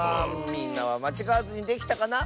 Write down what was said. みんなはまちがわずにできたかな？